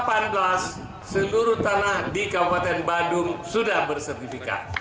atau bersifat dua ribu delapan belas seluruh tanah di kabupaten bandung sudah bersertifikat